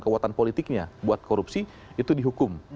kekuatan politiknya buat korupsi itu dihukum